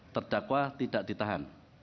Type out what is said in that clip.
terdakwa tidak ditahan